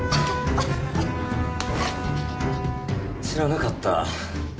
知らなかった？